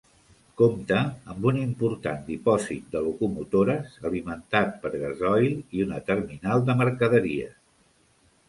Compta amb un important dipòsit de locomotores alimentat per gasoil i una terminal de mercaderies.